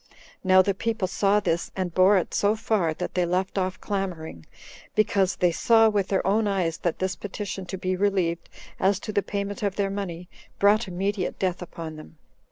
Now the people saw this, and bore it so far, that they left off clamoring, because they saw with their own eyes that this petition to be relieved, as to the payment of their money, brought immediate death upon them.